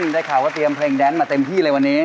ได้ข่าวว่าเตรียมเพลงแดนมาเต็มที่เลยวันนี้